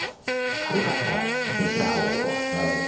軽かったら気にしないほうがいいと思います。